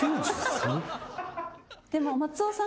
でも松尾さん